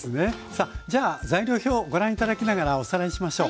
さあじゃあ材料表をご覧頂きながらおさらいしましょう。